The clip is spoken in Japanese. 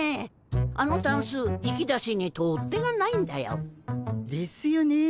あのタンス引き出しに取っ手がないんだよ。ですよねえ。